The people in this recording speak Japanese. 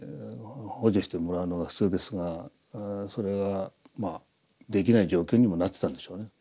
補助してもらうのが普通ですがそれができない状況にもなってたんでしょうね。